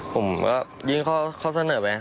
ผมก็ยิ่งเขาเสนอแบบนี้